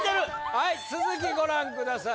はい続きご覧ください